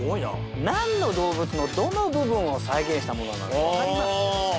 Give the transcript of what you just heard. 何の動物のどの部分を再現したものなのか分かります？